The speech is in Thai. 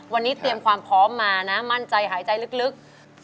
วันนี้เตรียมความพร้อมมานะมั่นใจหายใจลึก